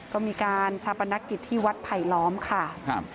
ก็มีการชัพนักกิจที่วัดไผล้ล้อมค่ะ